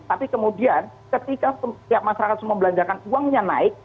tapi kemudian ketika masyarakat membelanjakan uangnya naik